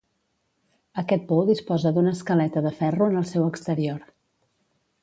Aquest pou disposa d'una escaleta de ferro en el seu exterior.